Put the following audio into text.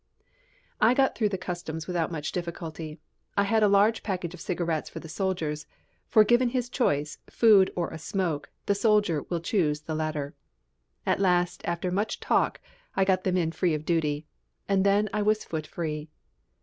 I got through the customs without much difficulty. I had a large package of cigarettes for the soldiers, for given his choice, food or a smoke, the soldier will choose the latter. At last after much talk I got them in free of duty. And then I was footfree.